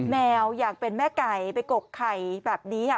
แมวอยากเป็นแม่ไก่ไปกกไข่แบบนี้